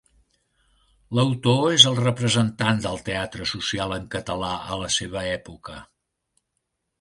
L'autor és el representant del teatre social en català a la seva època.